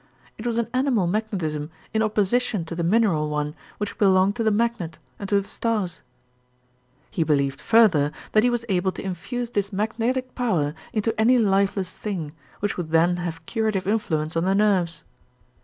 It was an animal magnetism in opposition to the mineral one which belonged to the magnet and to the stars. He believed further that he was able to infuse this magnetic power into any lifeless thing, which would then have curative influence on the nerves.